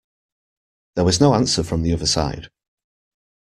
There was no answer from the other side.